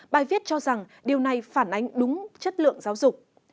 bài viết cho rằng điều này phản ánh đúng chất lượng giáo dục